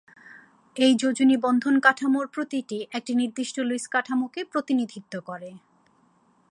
এই যোজনী বন্ধন কাঠামোর প্রতিটি একটি নির্দিষ্ট লুইস কাঠামোকে প্রতিনিধিত্ব করে।